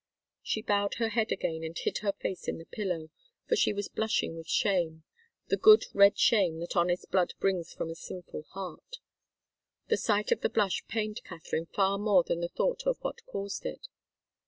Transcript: She bowed her head again and hid her face in the pillow, for she was blushing with shame the good red shame that honest blood brings from a sinful heart. The sight of the blush pained Katharine far more than the thought of what caused it.